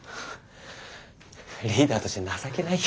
リーダーとして情けないよ。